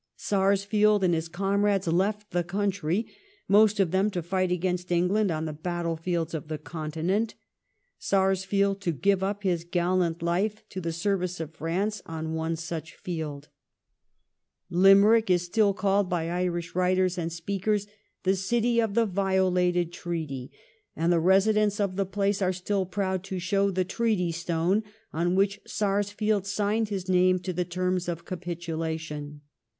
Sarsfield and his comrades left the country, most of them to fight against England on the battle fields of the Continent— Sarsfield to give up his gallant life to the service of France on one such field. Limerick 208 THE REIGN OF QUEEN ANNE. ch. xxx. is still called by Irish writers and speakers the City of the Violated Treaty, and the residents of the place are still proud to show the Treaty Stone on which Sarsfield signed his name to the terms of capitulation.